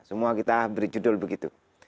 semua kita beri judul begitu